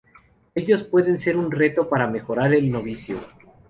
Ellos pueden ser un reto para mejorar el novicio.